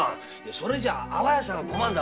それじゃ阿波屋さんが困るんだ。